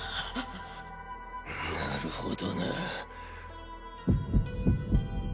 なるほどな。